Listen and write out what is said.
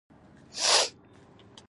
د قلمې لګول عامه طریقه ده.